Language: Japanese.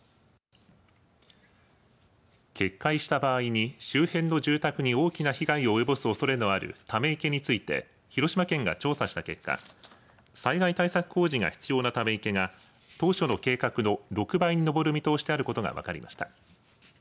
決壊した場合に周辺の住宅に大きな被害を及ぼすおそれのあるため池について広島県が調査した結果災害対策工事が必要なため池が当初の計画の６倍に上る見通してあることが分かりました。